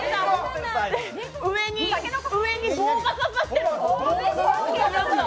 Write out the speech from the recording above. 上に棒が差さってる。